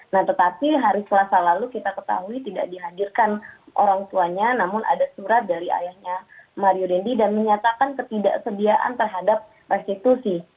nah tetapi hari selasa lalu kita ketahui tidak dihadirkan orang tuanya namun ada surat dari ayahnya mario dendi dan menyatakan ketidaksediaan terhadap restitusi